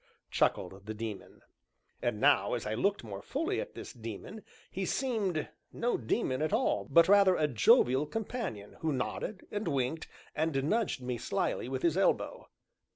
chuckled the Daemon. And now, as I looked more fully at this Daemon, he seemed no daemon at all, but rather, a jovial companion who nodded, and winked, and nudged me slyly with his elbow.